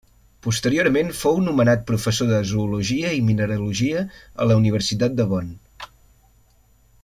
Posteriorment fou nomenat professor de zoologia i mineralogia a la Universitat de Bonn.